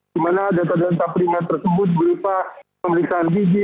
di mana data data primer tersebut berupa pemeriksaan gigi